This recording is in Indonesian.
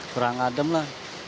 kurang adem lah